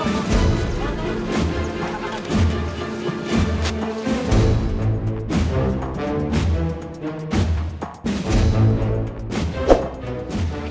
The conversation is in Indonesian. gak apa apa ian